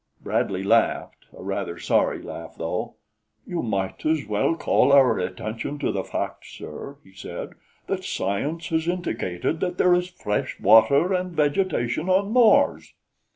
Bradley laughed a rather sorry laugh, though. "You might as well call our attention to the fact, sir," he said, "that science has indicated that there is fresh water and vegetation on Mars."